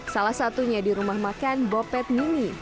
salah satunya di rumah makan bopet mini